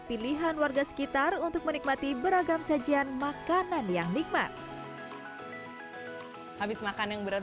pilihan warga sekitar untuk menikmati beragam sajian makanan yang nikmat habis makan yang berat